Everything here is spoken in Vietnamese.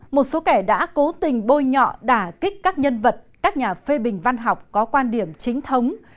một số kẻ đã cố tình bôi nhọ đà kích các nhân vật các nhà phê bình văn học có quan điểm chính thống